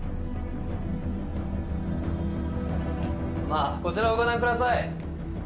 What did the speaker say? まあこちらをご覧ください。